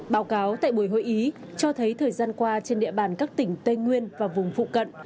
báo cáo tại buổi hội ý cho thấy thời gian qua trên địa bàn các tỉnh tây nguyên và vùng phụ cận